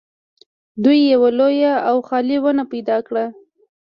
دوی یوه لویه او خالي ونه پیدا کړه